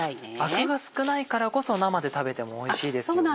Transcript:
アクが少ないからこそ生で食べてもおいしいですよね。